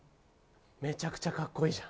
めちゃくちゃカッコいいじゃん！